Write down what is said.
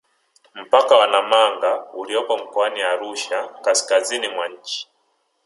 Mpaka wa Namanga uliopo mkoani Arusha kaskazini mwa nchi